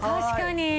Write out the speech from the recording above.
確かに。